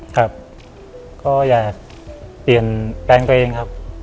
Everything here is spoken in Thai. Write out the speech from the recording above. ครับก็อยากเปลี่ยนแปลงตัวเองครับ